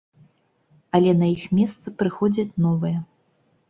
Але на іх месца прыходзяць новыя.